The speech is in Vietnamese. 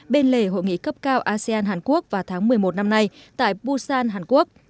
bên lề hội nghị cấp cao asean hàn quốc vào tháng một mươi một năm nay tại busan hàn quốc